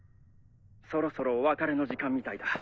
そろそろお別れの時間みたいだ。